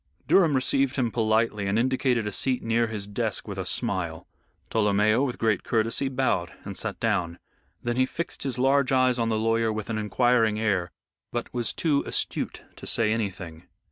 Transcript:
Durham received him politely and indicated a seat near his desk with a smile. Tolomeo, with great courtesy, bowed and sat down. Then he fixed his large eyes on the lawyer with an inquiring air, but was too astute to say anything.